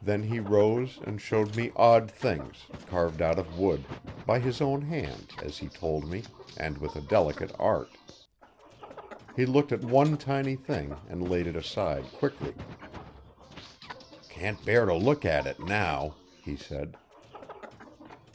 Then he rose and showed me odd things, carved out of wood, by his own hand as he told me, and with a delicate art. He looked at one tiny thing and laid it aside quickly. 'Can't bear to look at it now,' he said.